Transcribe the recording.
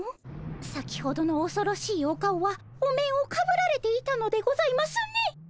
先ほどのおそろしいお顔はお面をかぶられていたのでございますね。